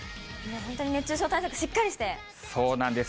本当に熱中症対策しっかりしそうなんです。